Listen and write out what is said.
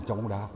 trong bóng đá